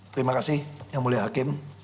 terima kasih yang mulia hakim